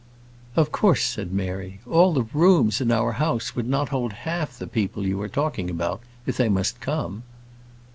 "Of course," said Mary, "all the rooms in our house would not hold half the people you are talking about if they must come."